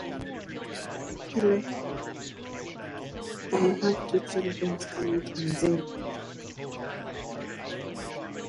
They have two children, Scarlet and Zane.